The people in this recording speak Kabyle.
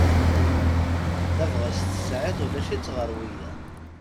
Tabɣest tesɛiḍ ulac-itt ɣer wiyaḍ.